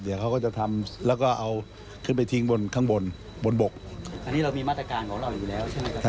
เดี๋ยวเค้าจะทำแล้วก็เอาขึ้นไปทิ้งบนข้างบนบนบก